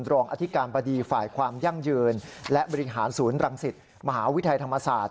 รองอธิการบดีฝ่ายความยั่งยืนและบริหารศูนย์รังสิตมหาวิทยาลัยธรรมศาสตร์